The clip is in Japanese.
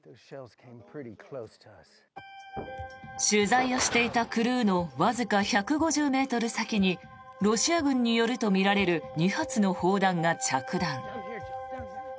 取材をしていたクルーのわずか１５０ｍ先にロシア軍によるとみられる２発の砲弾が着弾。